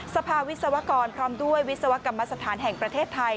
สภาวิศวกรพร้อมด้วยวิศวกรรมสถานแห่งประเทศไทย